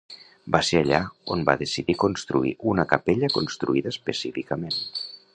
Va ser allà on va decidir construir una capella construïda específicament.